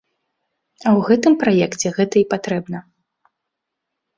А ў гэтым праекце гэта і патрэбна.